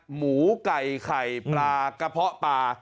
หมูไก่ไข่ปลากระเพาะปลา